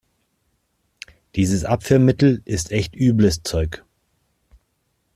Dieses Abführmittel ist echt übles Zeug.